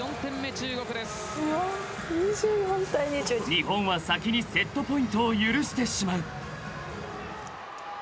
［日本は先にセットポイントを許してしまう］